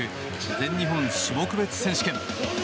全日本種目別選手権。